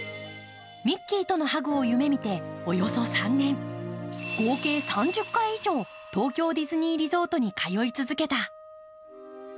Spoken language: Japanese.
ミッキーとのハグを夢みておよそ３年、合計３０回以上、東京ディズニーリゾートに通い続けた。